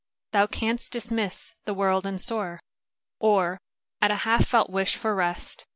Thou canst dismiss the world and soar, Or, at a half felt wish for rest.